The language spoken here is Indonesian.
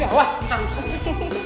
awas entar usung